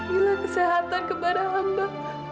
bilang kesehatan kepada hamba